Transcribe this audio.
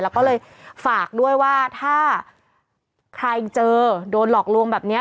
แล้วก็เลยฝากด้วยว่าถ้าใครเจอโดนหลอกลวงแบบนี้